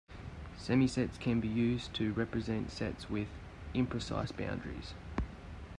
Semisets can be used to represent sets with imprecise boundaries.